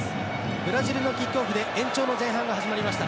ブラジルのキックオフで延長の前半が始まりました。